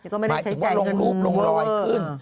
หมายถึงว่าลงรูปลงรอยขึ้น